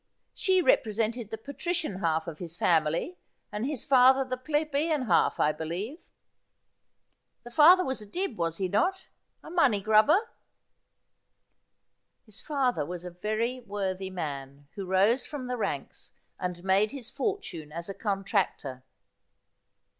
She represented the patrician half of his family, and his father the plebeian half, I believe ? The father was a Dibb, was he not — a money grubber ' His father was a very worthy man, who rose from the ranks, and made his fortune as a contractor.'